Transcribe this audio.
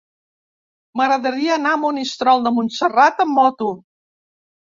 M'agradaria anar a Monistrol de Montserrat amb moto.